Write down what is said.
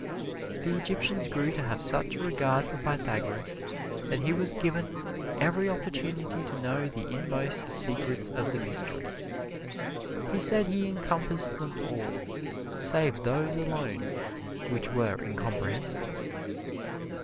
The Egyptians grew to have such regard for Pythagoras that he was given every opportunity to know the inmost secrets of the mysteries. He said he encompassed them all, save those alone which were incomprehensible.